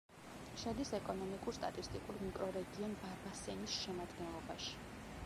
შედის ეკონომიკურ-სტატისტიკურ მიკრორეგიონ ბარბასენის შემადგენლობაში.